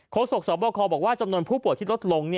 โศกสบคบอกว่าจำนวนผู้ป่วยที่ลดลง